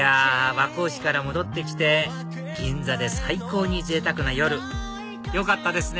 和光市から戻ってきて銀座で最高にぜいたくな夜よかったですね